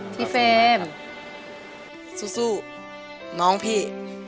ที่เฟมซู่ซู่น้องพี่